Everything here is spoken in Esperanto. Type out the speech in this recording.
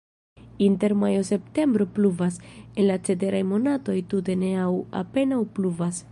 Inter majo-septembro pluvas, en la ceteraj monatoj tute ne aŭ apenaŭ pluvas.